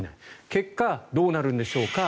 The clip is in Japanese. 結果、どうなるんでしょうか。